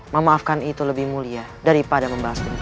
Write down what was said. memaafkan itu lebih mulia daripada membahas tentang